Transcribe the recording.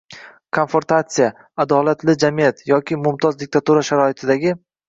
konfrontatsiyasi, adolatli jamiyat yoki “mumtoz” diktatura sharoitidagi